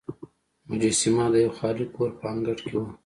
مجسمه د یوه خالي کور په انګړ کې وه.